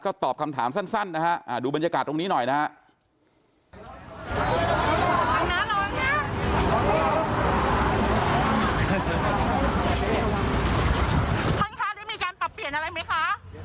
ก็ตอบคำถามสั้นนะฮะดูบรรยากาศตรงนี้หน่อยนะฮะ